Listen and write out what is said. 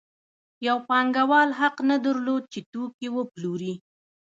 یو پانګوال حق نه درلود چې توکي وپلوري